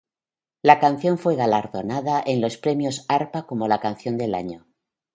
La canción fue galardonada en los Premios Arpa como la canción del año.